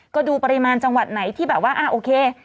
ก็ดูปริมาณจังหวัดไหนที่แบบว่าโอเค